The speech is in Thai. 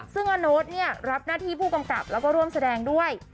ซึ่งอโน๊ตรับหน้าที่ผู้กำกับแล้วก็ร่วมแสดงด้วย